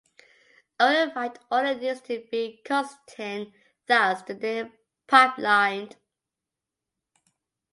Only the write order needs to be consistent, thus the name "pipelined".